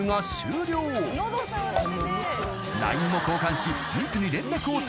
［ＬＩＮＥも交換し］